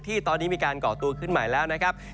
ที่ตอนนี้มีการก่อตัวขึ้นใหม่แล้วนะครับ